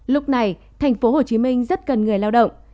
lúc này thành phố hồ chí minh rất cần người lao động